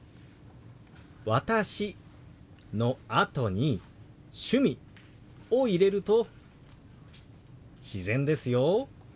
「私」のあとに「趣味」を入れると自然ですよ。